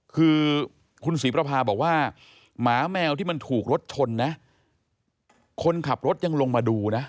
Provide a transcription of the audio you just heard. คือคุณศรีประพาบอกว่าหมาแมวที่มันถูกรถชนนะคนขับรถยังลงมาดูนะ